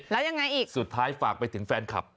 แล้วยังไงอีกสุดท้ายฝากไปถึงแฟนคลับ